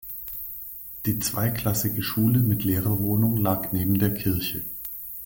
Die zweiklassige Schule mit Lehrerwohnung lag neben der Kirche.